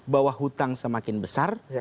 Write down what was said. bahwa hutang semakin besar